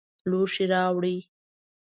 لوښي راوړئ